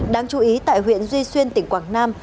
đáng chú ý tại huyện duy xuyên tỉnh quảng nam